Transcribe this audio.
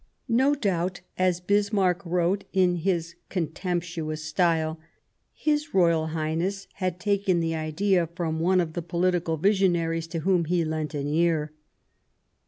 No doubt, as Bismarck wrote in his contemptuous style, " His Royal Highness had taken the idea from one of the political visionaries to whom he lent an ear."